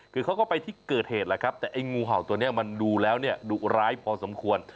คือเขาก็ไปที่เกิดเหตุแหละครับแต่ไอ้งูเห่าตัวนี้มันดูแล้วเนี่ยดุร้ายพอสมควร